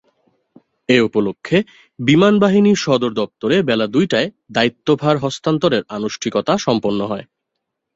এ উপলক্ষে বিমানবাহিনী সদর দপ্তরে বেলা দুইটায় দায়িত্বভার হস্তান্তরের আনুষ্ঠানিকতা সম্পন্ন হয়।